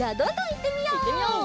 いってみよう！